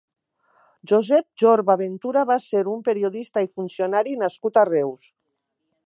Josep Jorba Ventura va ser un periodista i funcionari nascut a Reus.